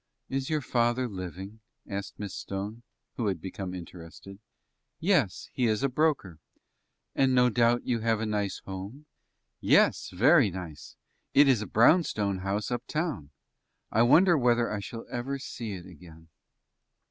"Is your father living?" asked Miss Stone, who had become interested. "Yes; he is a broker." "And no doubt you have a nice home?" "Yes, very nice. It is a brownstone house uptown. I wonder whether I shall ever see it again?"